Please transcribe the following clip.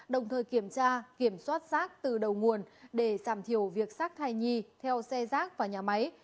đồng thời kiểm tra kiểm soát sát từ đầu nguồn để giảm thiểu việc sát thai nhi theo xe rác và nhà máy